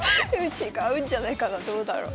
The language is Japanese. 違うんじゃないかなどうだろう？